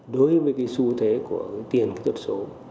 đối với cái xu thế của cái tiền kỹ thuật số